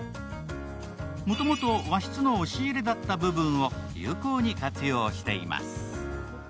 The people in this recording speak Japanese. もともと和室の押し入れだった部分を有効に活用しています。